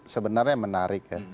sebenarnya menarik ya